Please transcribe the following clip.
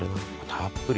たっぷり。